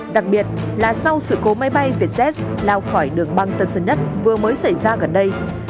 đặc biệt là sau sự cố máy bay vietjet lao khỏi đường băng tần nhất vừa mới xảy ra gần đây